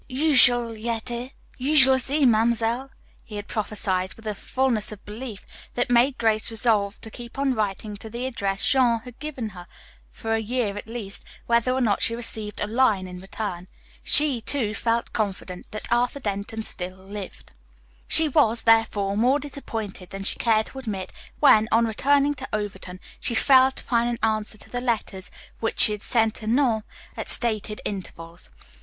"You shall yet hear. You shall yet see, Mamselle," he had prophesied with a fullness of belief that made Grace resolve to keep on writing to the address Jean had given her for a year at least, whether or not she received a line in return. She, too, felt confident that Arthur Denton still lived. She was, therefore, more disappointed than she cared to admit when, on returning to Overton, she failed to find an answer to the letters which she had sent to Nome at stated intervals.